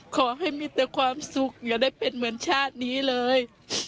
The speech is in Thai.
ขอให้มีแต่ความสุขอย่าได้เป็นเหมือนชาตินี้เลย